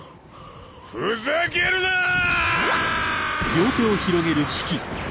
ふざけるなァ！